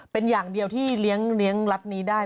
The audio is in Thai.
เป็นอย่างเดียวที่เลี้ยงรัฐนี้ได้